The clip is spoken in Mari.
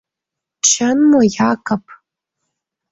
Чын мо, Якып?